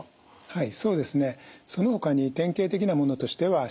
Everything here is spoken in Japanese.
はい。